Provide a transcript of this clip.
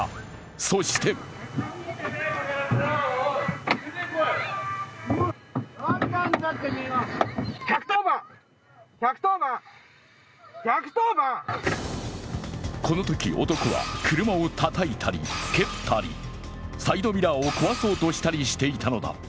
そしてこのとき、男は車をたたいたり、蹴ったり、サイドミラーを壊そうとしたりしていたのだ。